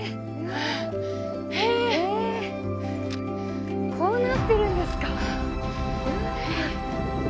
へえこうなってるんですか。